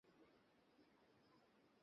এটা বরফ দেওয়া।